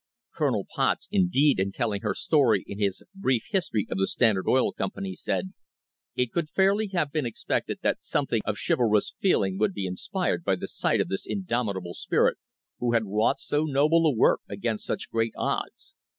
Colonel Potts, indeed, in telling her story in his "Brief History of the Standard Oil Company," said: "It could fairly have been expected that something of chivalrous feeling would be inspired by the sight of this indomitable spirit who had wrought so noble a work against such great odds.